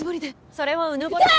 それはうぬぼれすぎ。